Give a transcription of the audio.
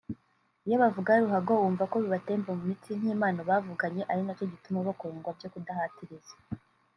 Iyo bavuga ruhago wumva ko bibatemba mu mitsi nk’impano bavukanye ari nacyo gituma bakundwa byo kudahatiriza